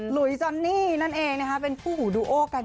ลุยจอนนี่นั่นเองนะคะเป็นคู่หูดูโอกัน